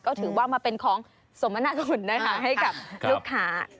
ก็ถือว่ามาเป็นของสมนาคุณนะคะให้กับลูกค้า